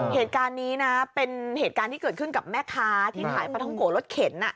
เหตุการณ์นี้นะเป็นเหตุการณ์ที่เกิดขึ้นกับแม่ค้าที่ขายปลาท้องโกะรถเข็น